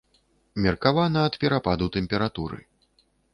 Меркавана, ад перападу тэмпературы.